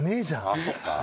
ああそっか。